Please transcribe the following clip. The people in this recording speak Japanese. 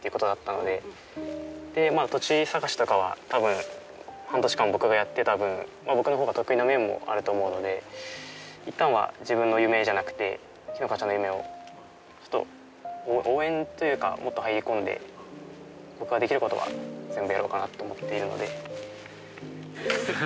土地探しとかはたぶん半年間僕がやってた分僕の方が得意な面もあると思うのでいったんは自分の夢じゃなくて樹乃香ちゃんの夢を応援というかもっと入り込んで僕ができることは全部やろうかなと思っているので。